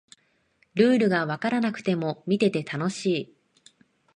ルールがわからなくても見てて楽しい